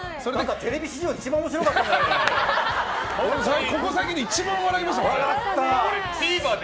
テレビ史上一番面白かったんじゃないかと。